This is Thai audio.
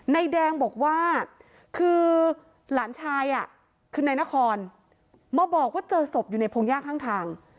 นายแดงบอกว่าคือหลานชายคือนายนครมาบอกว่าเจอศพอยู่ในพงหญ้าข้างทาง